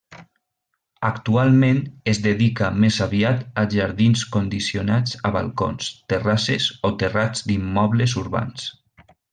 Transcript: Actualment, es dedica més aviat a jardins condicionats a balcons, terrasses o terrats d'immobles urbans.